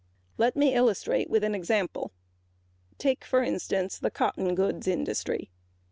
Let me illustrate with an example. Take the cotton goods industry.